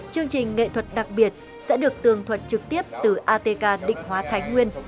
chương trình nghệ thuật đặc biệt sẽ được tường thuật trực tiếp từ atk định hóa thái nguyên